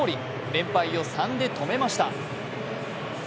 連敗を３で止めました。